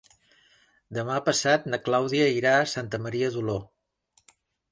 Demà passat na Clàudia irà a Santa Maria d'Oló.